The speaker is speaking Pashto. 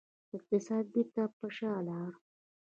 اقتصاد بیرته پر شا لاړ.